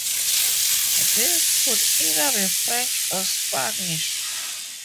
These could either be French or Spanish.